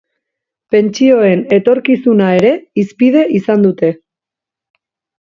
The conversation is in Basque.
Pentsioen etorkizuna ere hizpide izan dute.